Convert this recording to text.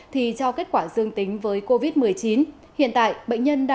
thì cho kết quả dương tính với covid một mươi chín